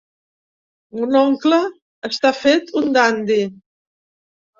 Mon oncle està fet un dandi.